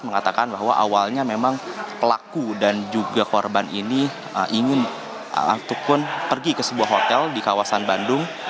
mengatakan bahwa awalnya memang pelaku dan juga korban ini ingin ataupun pergi ke sebuah hotel di kawasan bandung